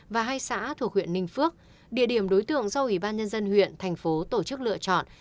và hai xã thuộc huyện ninh phước địa điểm đối tượng do ủy ban nhân dân huyện thành phố tổ chức lựa chọn